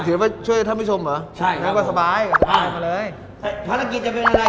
ใช่ช่วยท่านผู้ชมเหรอใช่ครับแล้วก็สบายมาเลยภารกิจจะเป็นอะไร